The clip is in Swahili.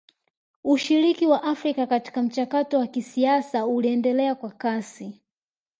Ushiriki wa Afrika katika mchakato wa kisiasa uliendelea kwa kasi